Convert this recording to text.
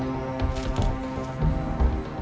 tidak ada yang bisa dihukum